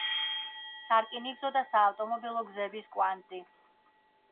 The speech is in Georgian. სარკინიგზო და საავტომობილო გზების კვანძი.